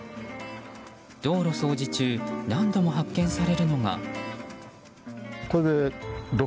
道路掃除中何度も発見されるのが。